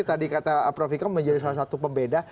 jadi jawabannya kita